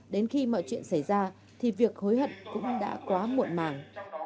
đến khi mọi chuyện xảy ra thì việc hối hận cũng đã quá muộn màng